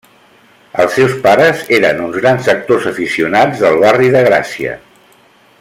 Els seus pares eren uns grans actors aficionats del barri de Gràcia.